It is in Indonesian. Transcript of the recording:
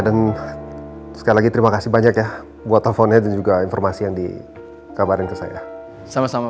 dan sekali terima kasih banyak ya buat teleponnya juga informasi yang di kabar yang saya sama sama